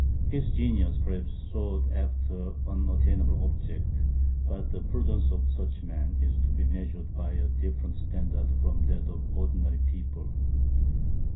His genius, perhaps, soared after unattainable objects; but the prudence of such men, is to be measured by a different standard from that of ordinary people.